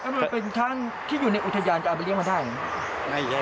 ถ้ามันเป็นท่านที่อยู่ในอุทยานจะเอาไปเลี้ยมาได้ไหม